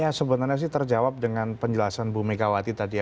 ya sebenarnya sih terjawab dengan penjelasan bu megawati tadi ya